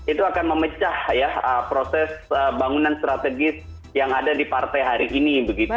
itu akan memecah ya proses bangunan strategis yang ada di partai hari ini